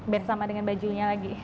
bersama dengan bajunya lagi